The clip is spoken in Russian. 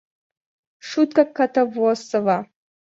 Шутка Катавасова.